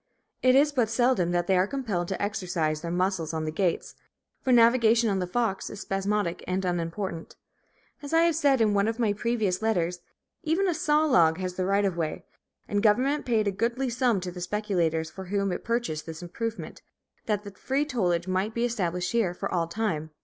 It is but seldom that they are compelled to exercise their muscles on the gates; for navigation on the Fox is spasmodic and unimportant. As I have said in one of my previous letters, even a saw log has the right of way; and government paid a goodly sum to the speculators from whom it purchased this improvement, that free tollage might be established here for all time.